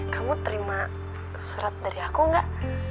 cuma surat dari aku enggak